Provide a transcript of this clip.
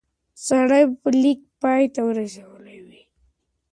سړی به لیک پای ته رسولی وي.